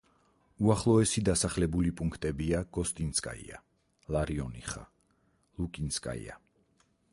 უახლოესი დასახლებული პუნქტებია: გოსტინსკაია, ლარიონიხა, ლუკინსკაია.